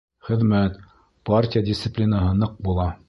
Хеҙмәт, партия дисциплинаһы ныҡ була.